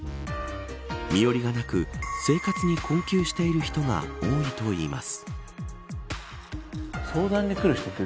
身寄りがなく生活に困窮している人が多いといいます。